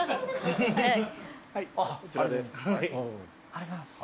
ありがとうございます。